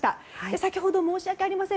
先ほど、申し訳ありません。